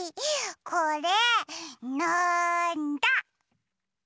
これなんだ？